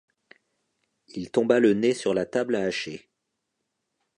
Il tomba le nez sur la table à hacher.